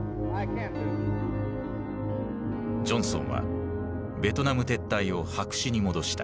ジョンソンはベトナム撤退を白紙に戻した。